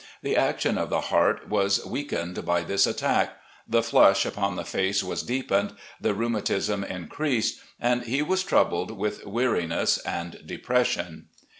The action of the heart was weakened by this attack; the flush upon the face was deepened, the rheu matism increased, and he was troubled with weariness and depression.